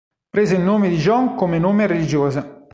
Prese il nome di John come nome religioso.